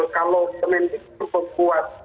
kalau pemendik itu berkuat